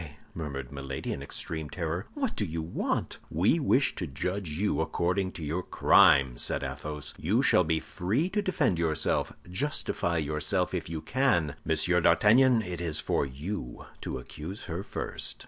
murmured Milady, in extreme terror; "what do you want?" "We wish to judge you according to your crime," said Athos; "you shall be free to defend yourself. Justify yourself if you can. M. d'Artagnan, it is for you to accuse her first."